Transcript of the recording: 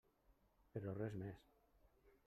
Però res més.